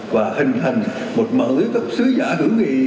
và hình hành một mở lưới các sứ giả hữu nghị